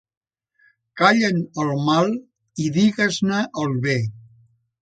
Calla'n el mal i digues-ne el bé.